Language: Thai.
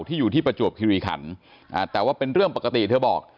อยู่ที่ประจวบคิริขันแต่ว่าเป็นเรื่องปกติเธอบอก